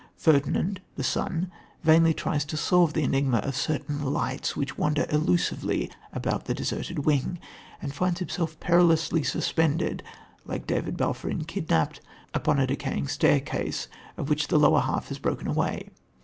Ferdinand, the son, vainly tries to solve the enigma of certain lights, which wander elusively about the deserted wing, and finds himself perilously suspended, like David Balfour in Kidnapped, on a decayed staircase, of which the lower half has broken away.